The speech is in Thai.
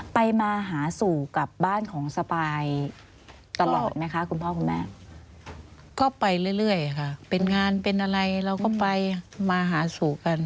ไปมาหาสู่กับบ้านของสปายตลอดไหมคะคุณพ่อคุณแม่ก็ไปเรื่อยค่ะเป็นงานเป็นอะไรเราก็ไปมาหาสู่กัน